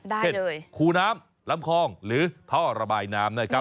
เช่นคูน้ำลำคองหรือท่อระบายน้ำนะครับ